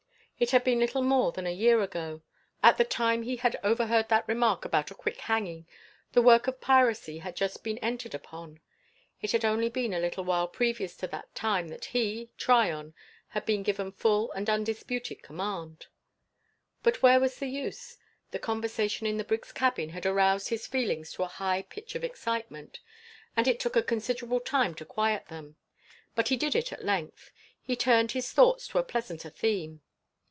It had been little more than a year ago. At the time he had overheard that remark about a quick hanging the work of piracy had just been entered upon. It had been only a little while previous to that time that he, Tryon, had been given full and undisputed command. But where was the use? The conversation in the brig's cabin had aroused his feelings to a high pitch of excitement, and it took a considerable time to quiet them; but he did it at length. He turned his thoughts to a pleasanter theme.